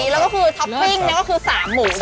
แล้วก็คือท็อปปิ้งนี่ก็คือ๓หมู